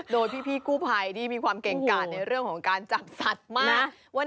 โดยพี่กู้ภัยที่มีความเก่งกาดในเรื่องของการจับสัตว์มาก